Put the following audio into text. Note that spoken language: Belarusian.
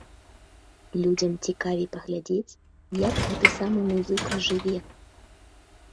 Людзям цікавей паглядзець, як гэты самы музыка жыве.